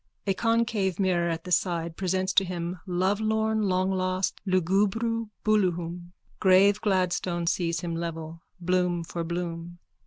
A concave mirror at the side presents to him lovelorn longlost lugubru Booloohoom. Grave Gladstone sees him level, Bloom for Bloom.